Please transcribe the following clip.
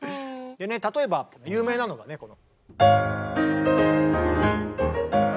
例えば有名なのがねこの。